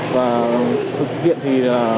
và thực hiện thì